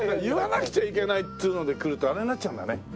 言わなくちゃいけないっつうのでくるとあれになっちゃうんだね。